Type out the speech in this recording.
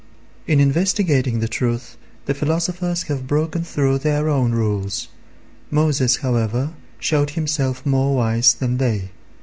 In investigating the truth the philosophers have broken through their own rules. Moses, however, showed himself more wise than they.